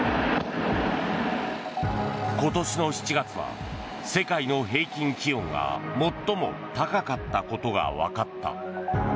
今年の７月は世界の平均気温が最も高かったことが分かった。